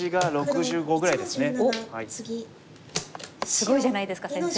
すごいじゃないですか先生。